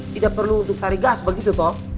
tidak perlu untuk tarik gas begitu toh